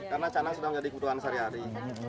karena sana sudah menjadi kebutuhan sehari hari